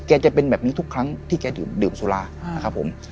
จะเป็นแบบนี้ทุกครั้งที่แกดื่มสุรานะครับผม